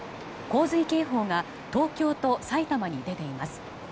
洪水警報が東京と埼玉に出ています。